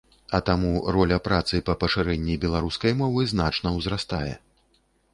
А таму роля працы па пашырэнні беларускай мовы значна ўзрастае.